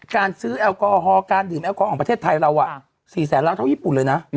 การซื้อแอลกอฮอลการดื่มแอลกอฮอลของประเทศไทยเรา๔แสนล้านเท่าญี่ปุ่นเลยนะ